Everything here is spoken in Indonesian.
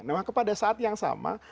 nah pada saat yang sama